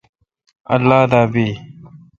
اللہ دا بیی۔